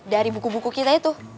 dari buku buku kita itu